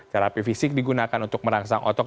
terapi fisik digunakan untuk merangsang otot